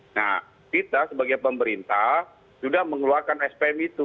nah kita sebagai pemerintah sudah mengeluarkan spm itu